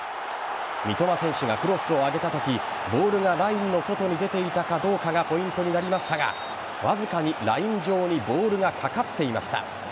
三笘選手がクロスを上げたときボールがラインの外に出ていたかどうかがポイントになりましたがわずかにライン上にボールがかかっていました。